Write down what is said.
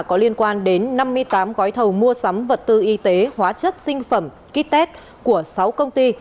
có liên quan đến năm mươi tám gói thầu mua sắm vật tư y tế hóa chất sinh phẩm ký test của sáu công ty